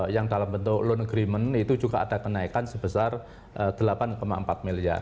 yang dalam bentuk loan agreement itu juga ada kenaikan sebesar rp delapan empat miliar